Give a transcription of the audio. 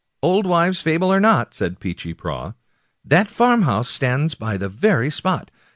" Old wives' fable or not," said Peechy Prauw, " that farmhouse stands hard by the very spot.